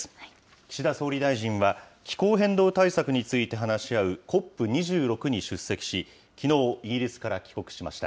岸田総理大臣は、気候変動対策について話し合うＣＯＰ２６に出席し、きのう、イギリスから帰国しました。